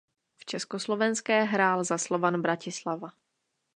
V československé hrál za Slovan Bratislava.